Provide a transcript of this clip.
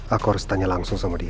aku harus tanya langsung sama dia